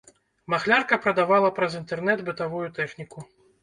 Махлярка прадавала праз інтэрнэт бытавую тэхніку.